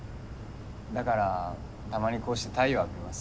だからたまにこうして太陽浴びます。